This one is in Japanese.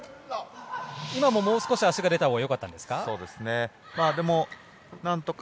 今ももう少し足が出たほうが良かったんですか？